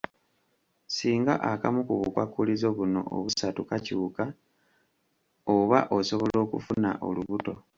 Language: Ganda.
Singa akamu ku bukwakkulizo buno obusatu kakyuka, oba osobola okufuna olubuto.